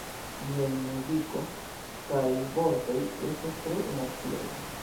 Liaj muziko kaj vortoj estas tre emociaj.